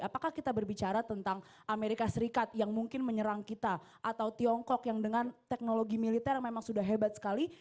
apakah kita berbicara tentang amerika serikat yang mungkin menyerang kita atau tiongkok yang dengan teknologi militer memang sudah hebat sekali